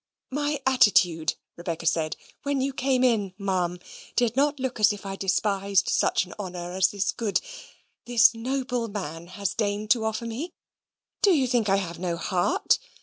"My attitude," Rebecca said, "when you came in, ma'am, did not look as if I despised such an honour as this good this noble man has deigned to offer me. Do you think I have no heart?